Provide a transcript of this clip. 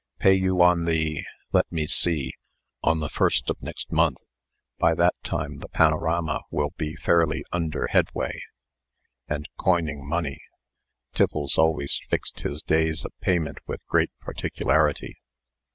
Pay you on the let me see on the first of next month. By that time the panorama will be fairly under headway, and coining money." (Tiffles always fixed his days of payment with great particularity.)